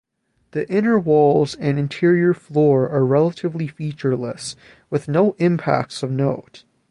The inner walls and interior floor are relatively featureless, with no impacts of note.